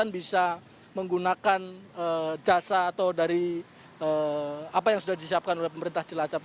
bisa menggunakan jasa atau dari apa yang sudah disiapkan oleh pemerintah cilacap